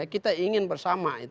kita ingin bersama